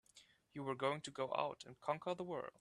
You were going to go out and conquer the world!